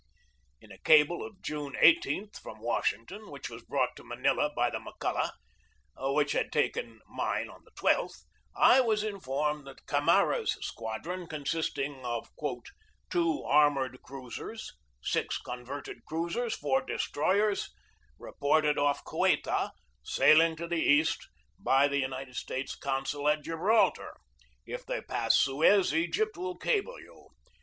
In a cable of June 18 from Washington, which was brought to Manila by the McCulloch, which had taken mine of the I2th, I was informed that Camara's squadron, consisting of "two armored cruisers, six converted cruisers, four destroyers, re 258 GEORGE DEWEY ported off Ceuta, sailing to the East, by the United States consul at Gibraltar. If they pass Suez, Egypt, will cable you.